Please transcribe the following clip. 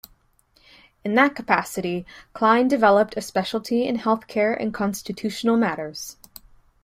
In that capacity, Klein developed a specialty in health care and constitutional matters.